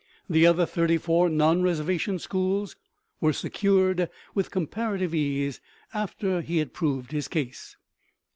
The other thirty four non reservation schools were secured with comparative ease after he had proved his case.